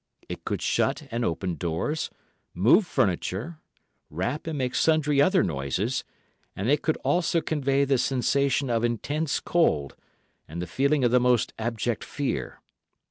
It could shut and open doors, move furniture, rap and make sundry other noises, and it could also convey the sensation of intense cold, and the feeling of the most abject fear.